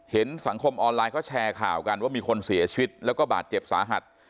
สังคมออนไลน์เขาแชร์ข่าวกันว่ามีคนเสียชีวิตแล้วก็บาดเจ็บสาหัส